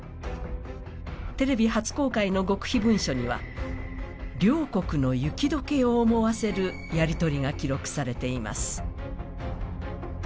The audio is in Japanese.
テレビ初公開の極秘文書には両国の雪解けを思わせるやり取りが記録されています。